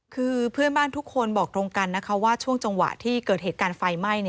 คือเพื่อนบ้านทุกคนบอกตรงกันนะคะว่าช่วงจังหวะที่เกิดเหตุการณ์ไฟไหม้